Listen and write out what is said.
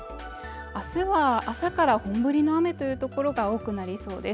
明日は朝から本降りの雨というところが多くなりそうです。